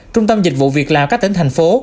trung tâm dịch vụ việc lào các tỉnh thành phố